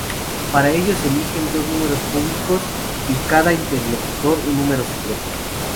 Para ello se eligen dos números públicos y, cada interlocutor, un número secreto.